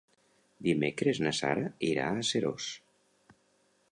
Dimecres na Sara irà a Seròs.